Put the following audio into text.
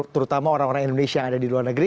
terutama orang orang indonesia yang ada di luar negeri